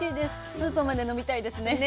スープまで飲みたいですね。